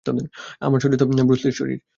আমার শরীর তো ব্রুস লির শরীর।